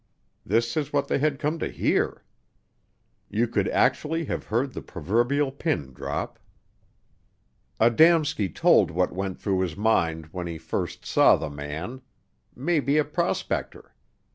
This is what they had come to hear. You could actually have heard the proverbial pin drop. Adamski told what went through his mind when he first saw the man maybe a prospector.